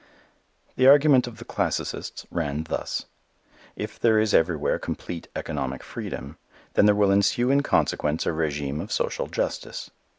The argument of the classicists ran thus. If there is everywhere complete economic freedom, then there will ensue in consequence a régime of social justice.